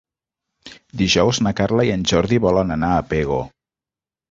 Dijous na Carla i en Jordi volen anar a Pego.